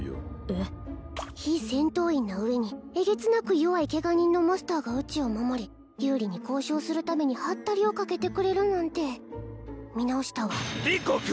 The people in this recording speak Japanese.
えっ非戦闘員な上にえげつなく弱いケガ人のマスターがうちを守り有利に交渉するためにハッタリをかけてくれるなんて見直したわリコ君！？